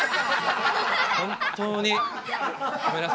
本当にごめんなさい。